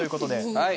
はい。